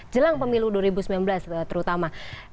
jelang pemilu dua ribu sembilan belas terutama